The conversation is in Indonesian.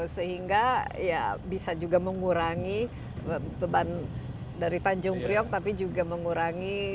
sehingga ya bisa juga mengurangi beban dari tanjung priok tapi juga mengurangi